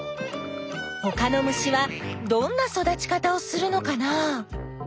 ほかの虫はどんな育ち方をするのかな？